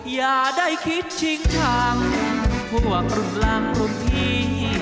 อย่าให้ได้คิดชิงทางพวกรุ่นร่างรุ่นที่